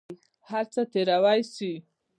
هر څه تېروى سي.